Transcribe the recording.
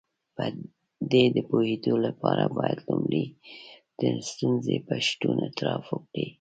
په دې د پوهېدو لپاره بايد لومړی د ستونزې په شتون اعتراف وکړئ.